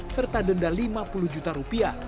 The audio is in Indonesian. serta denda lima puluh juta rupiah